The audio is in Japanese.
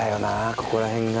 ここら辺が。